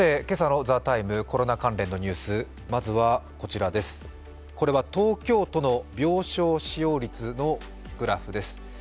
今朝の「ＴＨＥＴＩＭＥ’」、コロナ関連のニュース、まずはこちらです、これは東京都の病床使用率のグラフです。